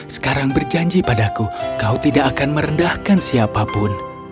sekarang berjanji padaku kau tidak akan merendahkan siapapun